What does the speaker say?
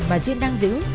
mà duyên đang giữ